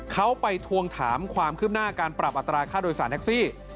เขาไปทวงถามความคืบหน้าการปรับอัตราค่าโดยสารแท็กซี่